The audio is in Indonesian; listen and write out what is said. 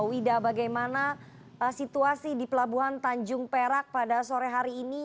wida bagaimana situasi di pelabuhan tanjung perak pada sore hari ini